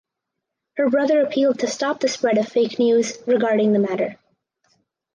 Her brother appealed to stop the spread of fake news regarding the matter.